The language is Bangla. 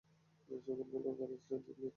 সকাল থেকে গাড়ি স্টার্ট নিচ্ছে না।